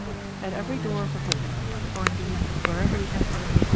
At every door of the hall (or, indeed, wherever the Kmpcror may be) Chap.